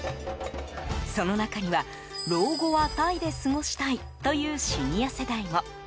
その中には、老後はタイで過ごしたいというシニア世代も。